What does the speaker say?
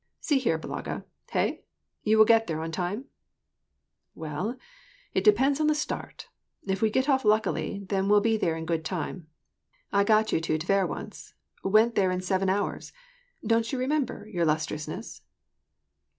See here, Balaga, hey! You will get there on time ?"" Well, it depends on the start. If we get off luckily, then we'll be there in good time. I got you to Tver once, — went there in seven hours. Don't you remember, your illustrious ness